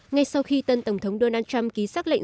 ngay sau khi tân tổng thống donald trump ký xác lệnh